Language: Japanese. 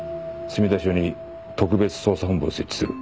墨田署に特別捜査本部を設置する。